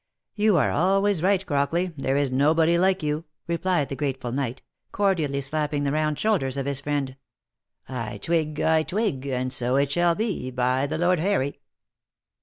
" You are always right Crockley, there is nobody like you," re plied the grateful knight, cordially slapping the round shoulders of his friend, " I twig, I twig, and so it shall be, by the Lord Harry."